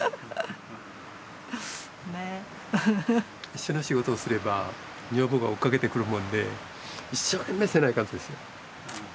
一緒の仕事をすれば女房が追っかけてくるもんで一生懸命せないかんとですよ。